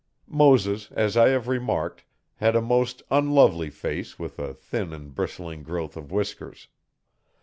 Moses, as I have remarked, had a most unlovely face with a thin and bristling growth of whiskers.